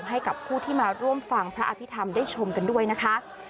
ให้กับผู้ที่มาร่วมฟังพระอภิษฐรรมได้ชมกันด้วยนะคะ